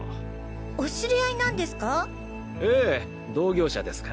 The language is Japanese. お知り合いなんですか？